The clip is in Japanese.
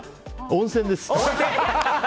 温泉です。